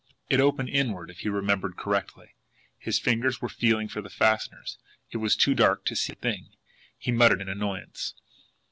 It opened inward, if he remembered correctly. His fingers were feeling for the fastenings. It was too dark to see a thing. He muttered in annoyance.